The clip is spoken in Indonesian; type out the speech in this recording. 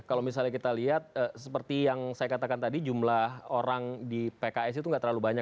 kalau misalnya kita lihat seperti yang saya katakan tadi jumlah orang di pks itu nggak terlalu banyak